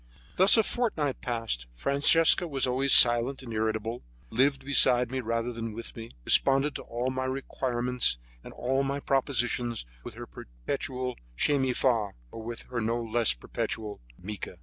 Thus a fortnight passed. Francesca was always silent and irritable, lived beside me rather than with me, responded to all my requirements and all my propositions with her perpetual Che mi fa, or with her no less perpetual Mica.